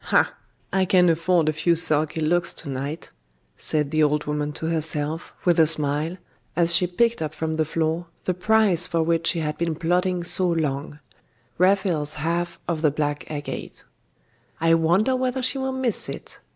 'Ah! I can afford a few sulky looks to night!' said the old woman to herself, with a smile, as she picked up from the floor the prize for which she had been plotting so long Raphael's half of the black agate. 'I wonder whether she will miss it!